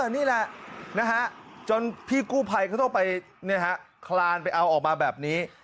นี่แหละจนพี่กู้ภัยเขาต้องไปคลานไปเอาออกมาแบบนี้